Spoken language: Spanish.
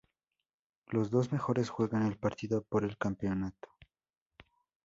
Los dos mejores juegan el partido por el campeonato.